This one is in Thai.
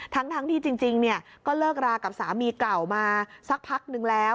ทั้งที่จริงก็เลิกรากับสามีเก่ามาสักพักนึงแล้ว